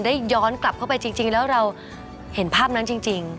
ย้อนกลับเข้าไปจริงแล้วเราเห็นภาพนั้นจริง